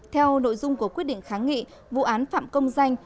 theo nội dung của quyết định kháng nghị vụ án phạm công danh